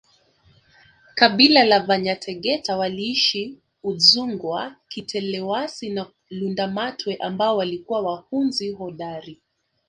kabila la Vanyategeta waliishi udzungwa kitelewasi na Lundamatwe ambao walikuwa wahunzi hodari